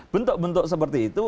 bentuk bentuk seperti itu